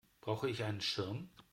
Brauche ich einen Schirm?